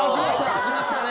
開きましたね。